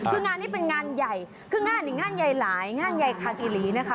คืองานนี้เป็นงานใหญ่คืองานอีกงานใหญ่หลายงานใหญ่คากิลีนะคะ